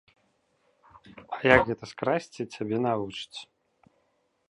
А як гэта скрасці, цябе навучаць.